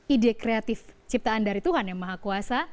ide kreatif ciptaan dari tuhan yang maha kuasa